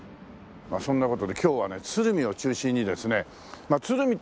まあそんな事で今日はね鶴見を中心にですね鶴見